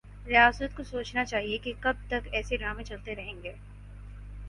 ریاست کو سوچنا چاہیے کہ کب تک ایسے ڈرامے چلتے رہیں گے